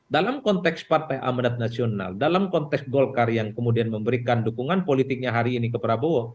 dalam konteks partai amanat nasional dalam konteks golkar yang kemudian memberikan dukungan politiknya hari ini ke prabowo